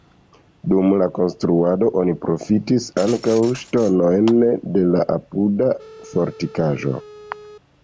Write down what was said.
Dum la konstruado oni profitis ankaŭ ŝtonojn de la apuda fortikaĵo.